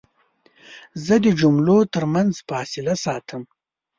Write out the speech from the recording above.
زه د جملو ترمنځ فاصله ساتم.